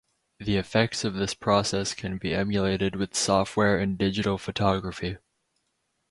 The effects of this process can be emulated with software in digital photography.